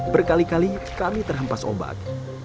berkali kali kami terhempas ombak